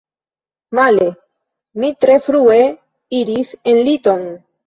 Male, mi tre frue iris en liton.